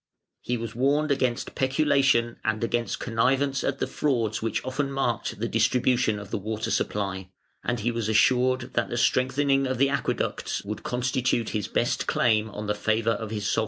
He was warned against peculation and against connivance at the frauds which often marked the distribution of the water supply, and he was assured that the strengthening of the Aqueducts would constitute his best claim on the favour of his sovereign.